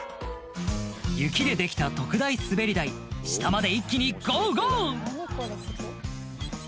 雪でできた特大滑り台下まで一気にゴーゴー！